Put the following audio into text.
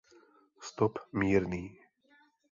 Stop mírný.